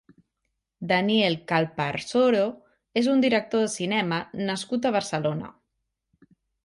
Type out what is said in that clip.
Daniel Calparsoro és un director de cinema nascut a Barcelona.